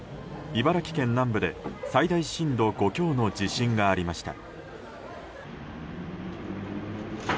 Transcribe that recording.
茨城県南部で最大震度５強の地震がありました。